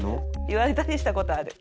言われたりしたことある。